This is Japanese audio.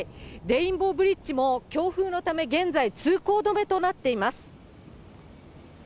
レインボーブリッジも、強風のため、現在、通行止めとなっています。